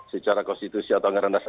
secara konstitusi atau anggaran dasar